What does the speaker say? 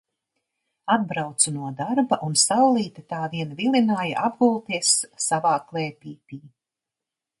Atbraucu no darba un saulīte tā vien vilināja apgulties savā klēpītī.